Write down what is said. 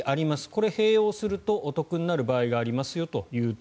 これ、併用するとお得になる場合がありますよと。